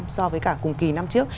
so với cả cùng kỳ năm trước